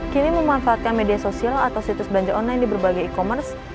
kini memanfaatkan media sosial atau situs belanja online di berbagai e commerce